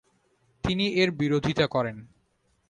তিনি এর বিরোধিতা করেন।